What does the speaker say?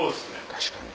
確かに。